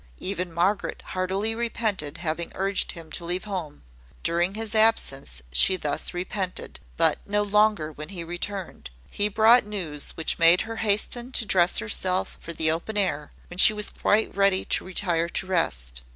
Even Margaret heartily repented having urged him to leave home. During his absence she thus repented, but no longer when he returned. He brought news which made her hasten to dress herself for the open air, when she was quite ready to retire to rest.